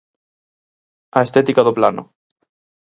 A estética do plano.